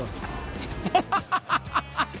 ハハハハハハ！